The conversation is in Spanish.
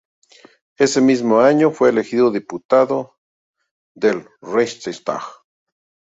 Ese mismo año, fue elegido diputado del Reichstag.